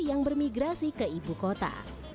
yang bermigrasi ke ibu kota